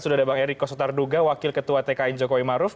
sudah ada bang eriko sotarduga wakil ketua tkn jokowi maruf